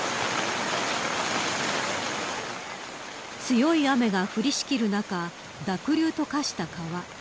強い雨が降りしきる中濁流と化した川。